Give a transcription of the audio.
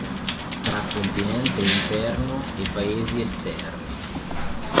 Tra continente interno e paesi esterni.